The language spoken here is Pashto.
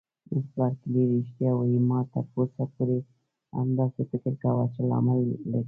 مس بارکلي: رښتیا وایې؟ ما تر اوسه پورې همداسې فکر کاوه چې لامل لري.